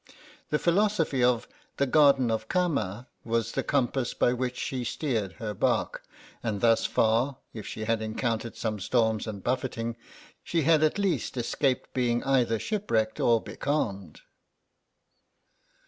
The philosophy of the "Garden of Kama" was the compass by which she steered her barque and thus far, if she had encountered some storms and buffeting, she had at least escaped being either shipwrecked or becalmed.